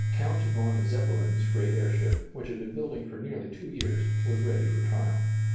] In 1900, Count von Zeppelin's great airship, which had been building for nearly two years, was ready for trial.